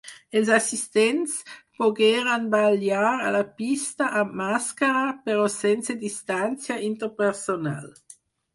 Els assistents pogueren ballar a la pista amb màscara, però sense distància interpersonal.